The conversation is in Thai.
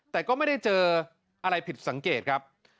แต่ก็ไม่ได้เจออะไรผิดสังเกตครับ